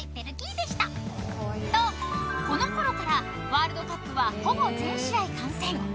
と、このころからワールドカップはほぼ全試合観戦。